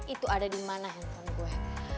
itu ada di mana handphone gue